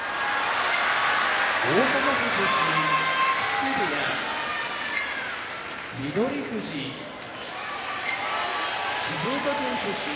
大阪府出身木瀬部屋翠富士静岡県出身